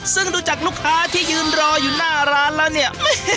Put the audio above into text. ซึ่งดูจากลูกค้าที่ยืนรออยู่หน้าร้านแล้วเนี่ย